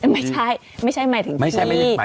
ไม่ใช่ไม่ใช่หมายถึงที่